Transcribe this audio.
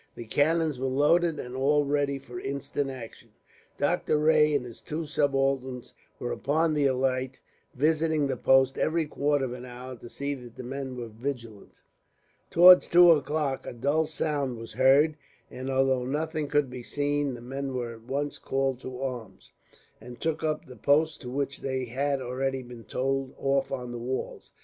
The cannons were loaded, and all ready for instant action. Doctor Rae and his two subalterns were upon the alert, visiting the posts every quarter of an hour to see that the men were vigilant. Towards two o'clock a dull sound was heard and, although nothing could be seen, the men were at once called to arms, and took up the posts to which they had already been told off on the walls.